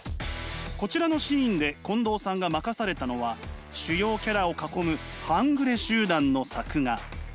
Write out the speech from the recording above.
こちらのシーンで近藤さんが任されたのは主要キャラを囲む半グレ集団の作画。